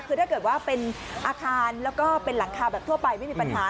คือถ้าเกิดว่าเป็นอาคารแล้วก็เป็นหลังคาแบบทั่วไปไม่มีปัญหา